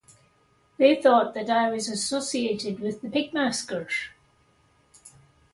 They thought that I was associated with the pig-maskers.